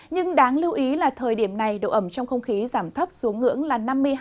nhưng đáng lưu ý là thời điểm này độ ẩm trong không khí giảm thấp xuống ngưỡng là năm mươi hai sáu mươi bốn